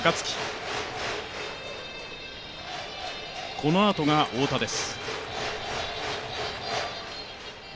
このあとが太田です。